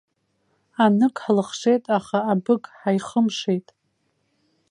Анык ҳлыхшеит, аха абык ҳаихымшеит.